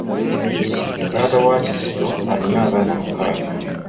Taata wa Kizito alina abaana mukaaga.